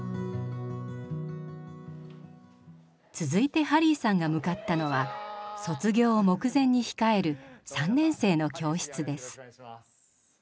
続いてハリーさんが向かったのは卒業を目前に控える３年生の教室です。